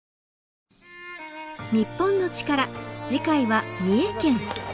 『日本のチカラ』次回は三重県。